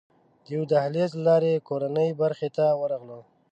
د یوه دهلېز له لارې کورنۍ برخې ته ورغلو.